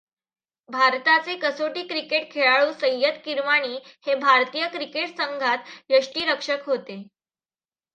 भारताचे कसोटी क्रिकेट खेळाडूसय्यद किरमाणी हे भारतीय क्रिकेट संघात यष्टिरक्षक होते.